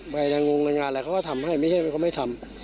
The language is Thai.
ไปในงงงานอะไรเขาก็ทำให้ไม่ใช่ว่าเขาไม่ทำ